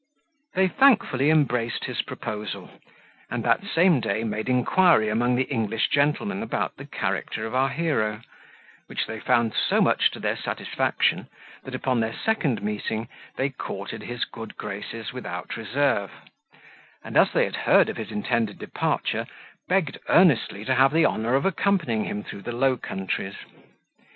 They thankfully embraced his proposal, and that same day made inquiry among the English gentlemen about the character of our hero, which they found so much to their satisfaction, that, upon their second meeting, they courted his good graces without reserve; and as they had heard of his intended departure, begged earnestly to have the honour of accompanying him through the Low Countries.